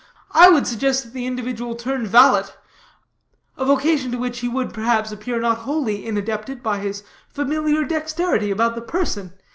I would suggest that the individual turn valet a vocation to which he would, perhaps, appear not wholly inadapted by his familiar dexterity about the person.